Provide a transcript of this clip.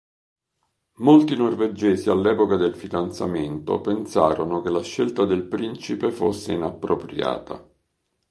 Molti norvegesi all'epoca del fidanzamento pensarono che la scelta del principe fosse inappropriata.